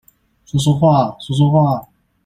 說說話，說說話